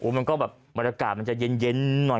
มันก็แบบบรรยากาศมันจะเย็นหน่อย